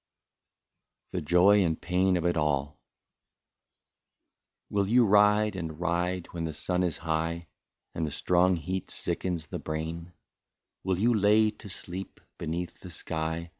154 THE JOY AND PAIN OF IT ALL. Will you ride and ride, when the sun is high, And the strong heat sickens the brain, Will you lay you to sleep beneath the sky.